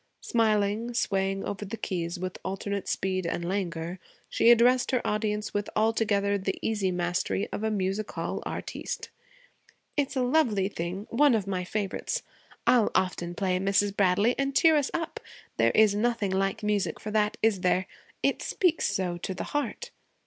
Smiling, swaying over the keys with alternate speed and languor, she addressed her audience with altogether the easy mastery of a music hall artiste: 'It's a lovely thing one of my favorites. I'll often play, Mrs. Bradley, and cheer us up. There is nothing like music for that, is there? it speaks so to the heart.'